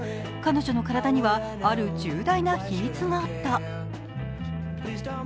彼女の体には、ある重大な秘密があった。